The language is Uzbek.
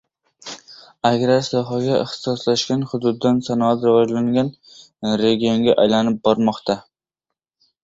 Agrar sohaga ixtisoslashgan hududdan sanoati rivojlangan regionga aylanib bormoqda.